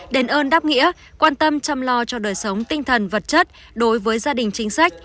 đền ơn đáp nghĩa quan tâm chăm lo cho đời sống tinh thần vật chất đối với gia đình chính sách